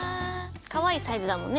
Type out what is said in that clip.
かわいいサイズだもんね。